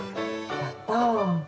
やった！